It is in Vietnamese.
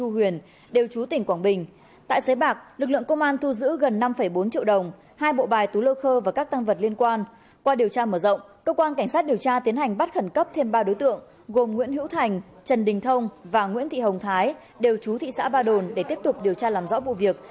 qua điều tra mở rộng cơ quan cảnh sát điều tra tiến hành bắt khẩn cấp thêm ba đối tượng gồm nguyễn hữu thành trần đình thông và nguyễn thị hồng thái đều chú thị xã ba đồn để tiếp tục điều tra làm rõ vụ việc